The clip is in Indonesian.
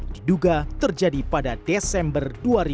diduga terjadi pada desember dua ribu dua puluh